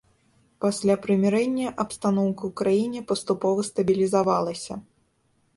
Пасля прымірэння абстаноўка ў краіне паступова стабілізавалася.